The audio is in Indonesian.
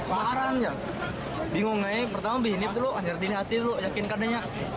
kemarang bingung aja pertama dihidup dulu akhir akhir dilihatin dulu yakin kadanya